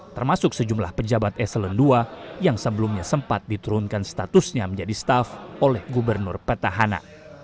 termasuk sejumlah pejabat eselon ii yang sebelumnya sempat diturunkan statusnya menjadi staff oleh gubernur petahana